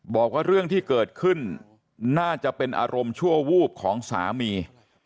บอกว่าเรื่องที่เกิดขึ้นน่าจะเป็นอารมณ์ชั่ววูบของสามี